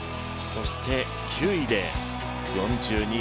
そして９位で４２．１９５